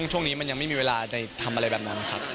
ช่วงนี้มันยังไม่มีเวลาทำอะไรแบบนั้นครับ